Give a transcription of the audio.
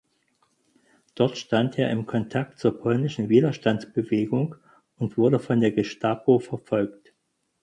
Dort stand er im Kontakt zur polnischen Widerstandsbewegung und wurde von der Gestapo verfolgt.